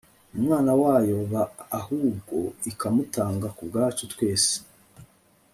umwana wayo b ahubwo ikamutanga ku bwacu twese